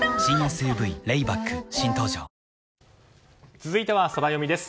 続いてはソラよみです。